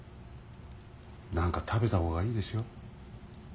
何か食べた方がいいですよ。